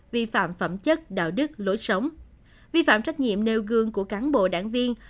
vi phạm phẩm chất đạo đức lối sống vi phạm trách nhiệm nêu gương của cán bộ đảng viên